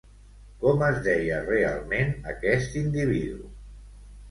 Com es deia realment, aquest individu?